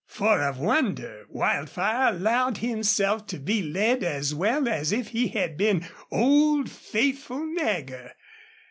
For a wonder Wildfire allowed himself to be led as well as if he had been old, faithful Nagger.